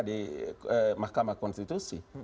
di mahkamah konstitusi